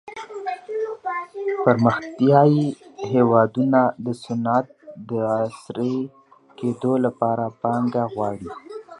پرمختيايي هېوادونه د صنعت د عصري کېدو لپاره پانګه غواړي.